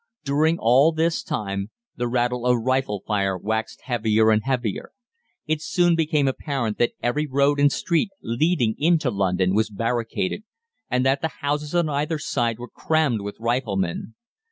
"During all this time the rattle of rifle fire waxed heavier and heavier. It soon became apparent that every road and street leading into London was barricaded and that the houses on either side were crammed with riflemen.